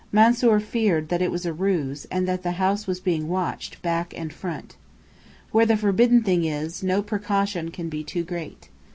Mansoor feared that it was a ruse, and that the house was being watched, back and front. Where the forbidden thing is, no precaution can be too great.